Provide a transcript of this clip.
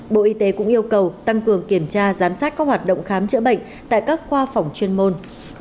bộ y tế cũng yêu cầu tăng cường kiểm tra giám sát các hoạt động khám chữa bệnh tại các khoa phòng chuyên môn